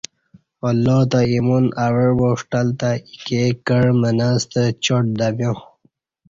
اللہ تہ ایمان اَوع با ݜٹل تہ آایکے کع منہ ستہ چاٹ دمیا